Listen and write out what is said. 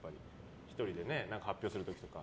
１人で発表する時とか。